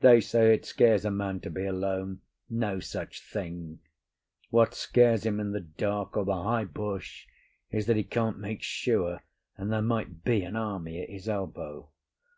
They say it scares a man to be alone. No such thing. What scares him in the dark or the high bush is that he can't make sure, and there might be an army at his elbow.